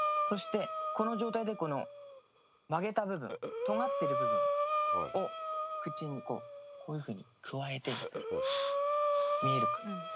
そしてこの状態でこの曲げた部分とがってる部分を口にこういうふうにくわえてですね見えるかな。